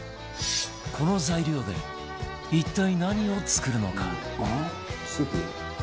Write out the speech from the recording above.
この材料で一体何を作るのか？